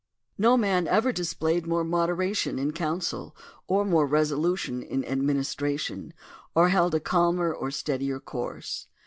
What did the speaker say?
No man ever displayed more moderation in counsel, or more resolution in administration, or held a calmer or steadier course.